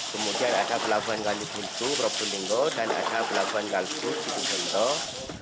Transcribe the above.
kemudian ada pelabuhan galit hintung probolinggo dan ada pelabuhan galit hintung di jawa timur